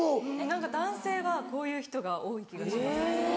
何か男性はこういう人が多い気がします。